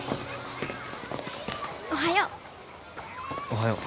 おはよう。